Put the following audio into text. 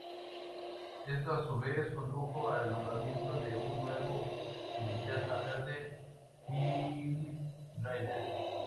Esto a su vez condujo al nombramiento de un nuevo Linterna Verde, Kyle Rayner.